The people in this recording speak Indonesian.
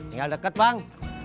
nggak deket bang